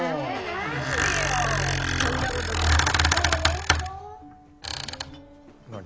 何でよこんなことこの先もうないよなあ